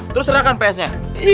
terus serahkan ps nya